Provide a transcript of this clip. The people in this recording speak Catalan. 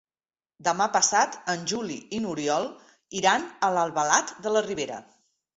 Demà passat en Juli i n'Oriol iran a Albalat de la Ribera.